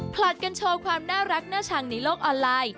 ผลัดกันโชว์ความน่ารักน่าชังในโลกออนไลน์